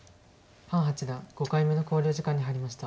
潘八段５回目の考慮時間に入りました。